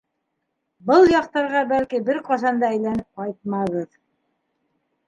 Был яҡтарға, бәлки, бер ҡасан да әйләнеп ҡайтмабыҙ...